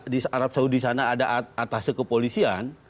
di arab saudi sana ada atas kepolisian